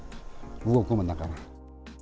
動くものだから。